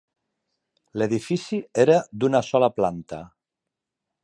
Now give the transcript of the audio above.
L'edifici era d'una sola planta.